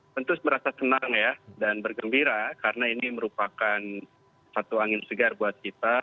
tentu merasa senang ya dan bergembira karena ini merupakan satu angin segar buat kita